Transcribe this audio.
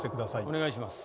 お願いします。